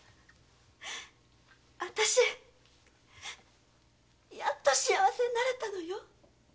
あたしやっと幸せになれたのよ！